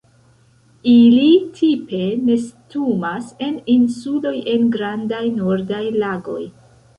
Ili tipe nestumas en insuloj en grandaj nordaj lagoj.